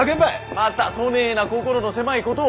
またそねえな心の狭いことを。